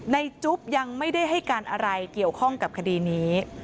จุ๊บยังไม่ได้ให้การอะไรเกี่ยวข้องกับคดีนี้